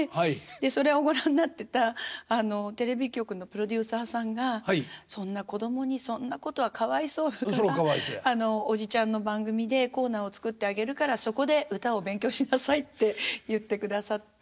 それをご覧になってたテレビ局のプロデューサーさんが「そんな子供にそんなことはかわいそうだからおじちゃんの番組でコーナーを作ってあげるからそこで歌を勉強しなさい」って言ってくださって。